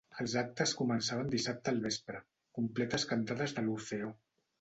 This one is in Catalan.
Els actes començaven dissabte al vespre, completes cantades de l'Orfeó.